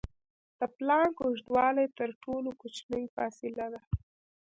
د پلانک اوږدوالی تر ټولو کوچنۍ فاصلې ده.